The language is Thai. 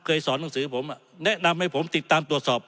สอนหนังสือผมแนะนำให้ผมติดตามตรวจสอบ